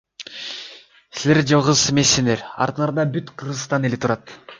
Силер жалгыз эмессиӊер, артыӊарда бүт Кыргызстан эли турат.